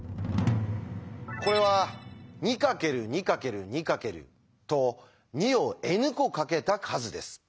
これは２×２×２×と２をｎ個かけた数です。